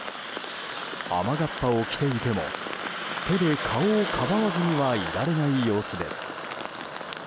雨がっぱを着ていても手で顔をかばわずにはいられない様子です。